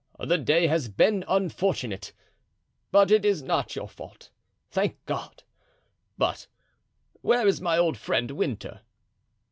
"The day has been unfortunate, but it is not your fault, thank God! But where is my old friend Winter?"